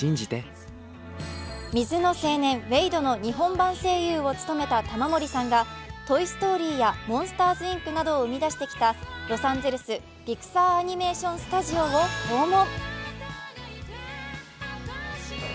水の青年・ウェイドの日本版声優を務めた玉森さんが「トイ・ストーリー」や「モンスターズ・インク」などを生み出してきたロサンゼルス、ピクサー・アニメーション・スタジオを訪問。